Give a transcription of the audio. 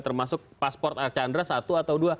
termasuk paspor arcandra satu atau dua